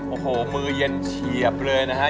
โอ้โหมือเย็นเฉียบเลยนะฮะ